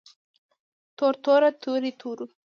تور توره تورې تورو